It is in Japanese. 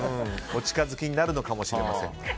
お近づきになるのかもしれません。